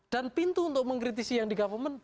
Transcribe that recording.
dan pintu untuk mengkritisi yang di government